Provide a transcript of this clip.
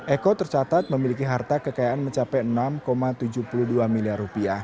eko tercatat memiliki harta kekayaan mencapai rp enam tujuh puluh dua miliar